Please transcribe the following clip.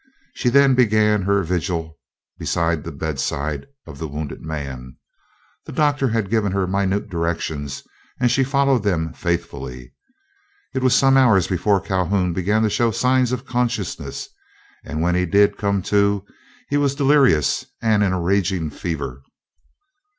She then began her vigil beside the bedside of the wounded man. The Doctor had given her minute directions, and she followed them faithfully. It was some hours before Calhoun began to show signs of consciousness, and when he did come to, he was delirious, and in a raging fever.